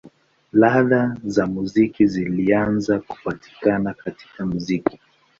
Ladha za muziki zilianza kupatikana katika muziki.